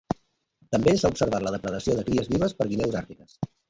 També s'ha observat la depredació de cries vives per guineus àrtiques.